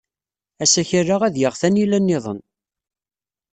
Asakal-a ad yaɣ tanila niḍen.